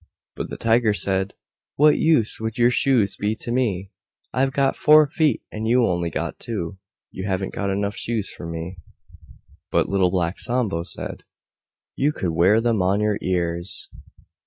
But the Tiger said, "What use would your shoes be to me? I've got four feet, and you've got only two; you haven't got enough shoes for me." But Little Black Sambo said, "You could wear them on your ears."